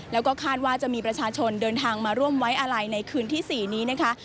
แล้วก็คาดว่าจะมีประชาชนเดินทางมาร่วมไว้อาลัยในคืนที่๔นี้นะคะ